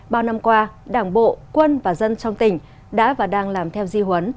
bao năm qua đảng bộ quân và dân trong tỉnh đã và đang làm theo di huấn